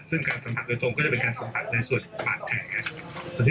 ซึ่งการสัมผัสโดยตรงก็จะเป็นการสัมผัสในส่วนบาดแผล